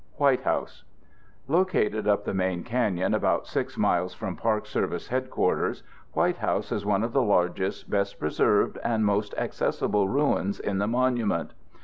WHITE HOUSE Located up the main canyon, about 6 miles from Park Service headquarters, White House is one of the largest, best preserved, and most accessible ruins in the monument.